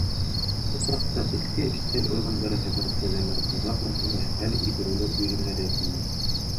Ул саҡта эске эштәр органдары хеҙмәткәрҙәренә торлаҡ мәсьәләһен хәл итеүе лә еңелерәк ине.